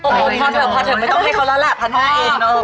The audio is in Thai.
พอเธอไม่ต้องให้เขาแล้วล่ะ๑๕๐๐บาทเอง